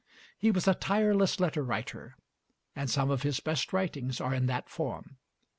He was a tireless letter writer, and some of his best writings are in that form.